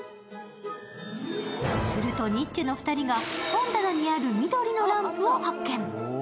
すると、ニッチェの二人が本棚にある緑のランプを発見。